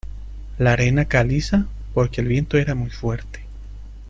la arena caliza porque el viento era muy fuerte.